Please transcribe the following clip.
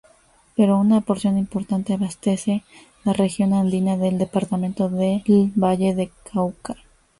Pero una porción importante abastece la región andina del Departamento del Valle del Cauca.